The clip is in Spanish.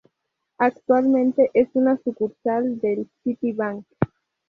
Actualmente es una sucursal del Citibank.